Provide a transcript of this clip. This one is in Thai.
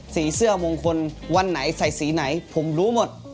สีเสื้อมงคลวันไหนใส่สีไหนผมรู้หมด